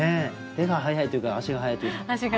手が早いというか足が早いというか。